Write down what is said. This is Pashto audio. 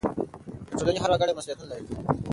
د ټولنې هر وګړی مسؤلیتونه لري.